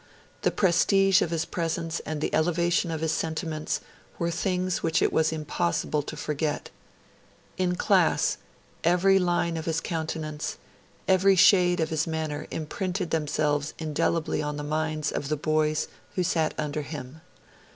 The prestige of his presence and the elevation of his sentiments were things which it was impossible to forget. In class, every line of his countenance, every shade of his manner imprinted themselves indelibly on the minds of the boys who sat under him.